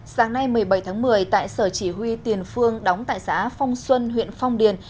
sáng nay một mươi bảy tháng một mươi tại sở chỉ huy tiền phương đóng tại xã phong xuân huyện phong điền